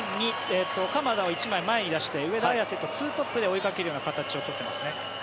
鎌田を１枚前に出して上田綺世と２トップで追いかける形を取っていますね。